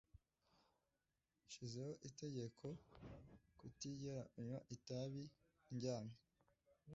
Nshizeho itegeko kutigera unywa itabi ndyamye.